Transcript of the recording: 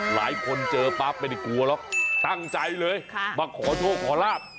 หลายคนเจอปั๊บไม่ได้กลัวหรอกตั้งใจเลยมาขอโชคขอลาบ